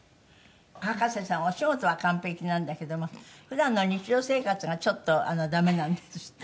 「葉加瀬さんお仕事は完璧なんだけども普段の日常生活がちょっと駄目なんですって？」